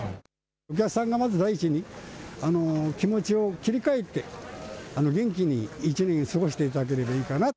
お客さんがまず第一に気持ちを切り替えて元気に１年過ごしていただけるといいかなと。